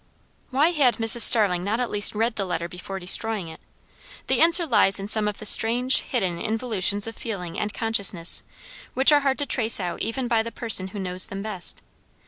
Why had Mrs. Starling not at least read the letter before destroying it? The answer lies in some of the strange, hidden involutions of feeling and consciousness, which are hard to trace out even by the person who knows them best.